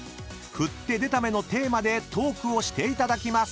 ［振って出た目のテーマでトークをしていただきます］